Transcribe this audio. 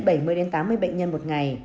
bảy mươi tám mươi bệnh nhân một ngày